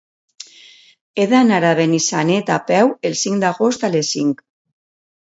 He d'anar a Benissanet a peu el cinc d'agost a les cinc.